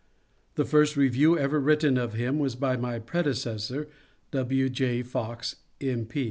The first review ever written of him was by my predecessor, W. J. Fox, M.